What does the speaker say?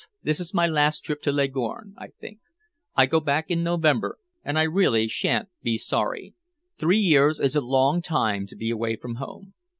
This is my last trip to Leghorn, I think. I go back in November, and I really shan't be sorry. Three years is a long time to be away from home.